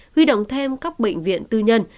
huy động thêm các bệnh viện tư nhân